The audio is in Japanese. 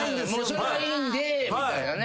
それはいいんでみたいなね。